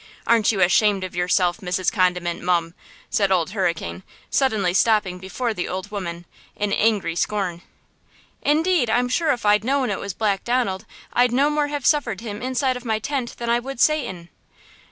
Aren't you ashamed of yourself, Mrs. Condiment, mum!" said Old Hurricane, suddenly stopping before the poor old woman, in angry scorn. "Indeed, I'm sure if I'd known it was Black Donald, I'd no more have suffered him inside of my tent than I would Satan!"